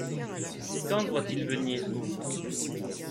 Quand doit-il venir ?